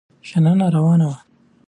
شننه روانه وه.